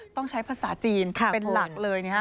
ต้องใช้ภาษาจีนเป็นหลักเลยนะฮะ